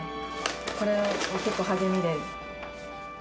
これは結構、励みで。